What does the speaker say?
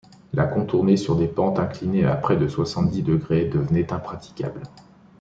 La contourner sur des pentes inclinées à près de soixante-dix degrés devenait impraticable.